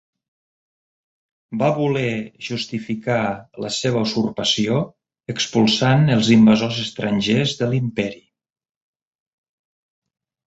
Va voler justificar la seva usurpació expulsant els invasors estrangers de l'imperi.